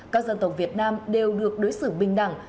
các dân tộc việt nam đều được đối xử bình đẳng